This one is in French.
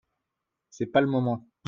C’est pas le moment !